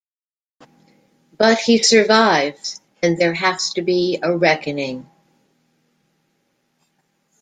But he survives, and there has to be a reckoning.